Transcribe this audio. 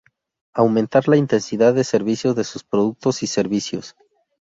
Aumentar la intensidad de servicios de sus productos y servicios.